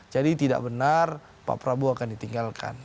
jadi tidak benar pak prabowo akan ditinggalkan